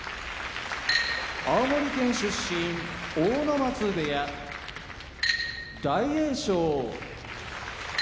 青森県出身阿武松部屋大栄翔埼玉県出身